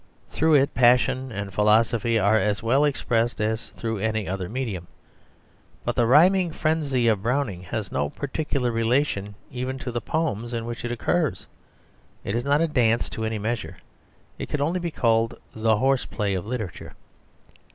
Through it passion and philosophy are as well expressed as through any other medium. But the rhyming frenzy of Browning has no particular relation even to the poems in which it occurs. It is not a dance to any measure; it can only be called the horse play of literature.